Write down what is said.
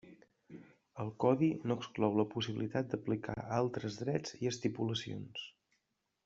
El codi no exclou la possibilitat d'aplicar altres drets i estipulacions.